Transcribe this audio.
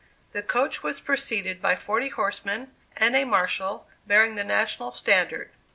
The coach was preceded by forty horsemen, and a marshal, bearing the national standard.